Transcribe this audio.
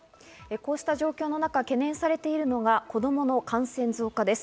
こうした状況の中、懸念されているのが子供の感染増加です。